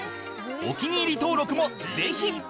お気に入り登録もぜひ！